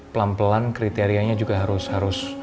pelan pelan kriterianya juga harus